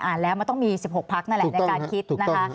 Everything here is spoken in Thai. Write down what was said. แล้วมันต้องมี๑๖พักนั่นแหละในการคิดนะคะ